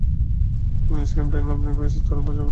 Miss Campbell, আপনি বয়সে তরুণ এবং কাজের অভিজ্ঞতাও কম।